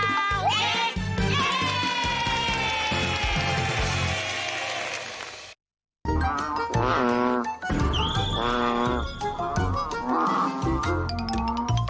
สบัดข้าวเด็ก